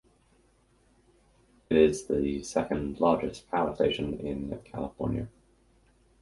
It is the second largest power station in California.